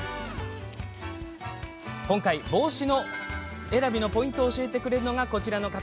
今回、帽子選びのポイントを教えてくれるのが、こちらの方。